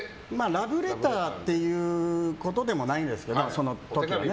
ラブレターということでもないんですけど、その時は。